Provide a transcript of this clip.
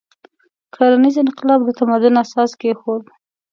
کرنیز انقلاب د تمدن اساس کېښود.